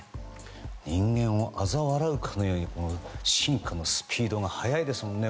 人間をあざ笑うかのように進化のスピードが早いですもんね